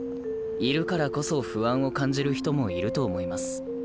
いるからこそ不安を感じる人もいると思います。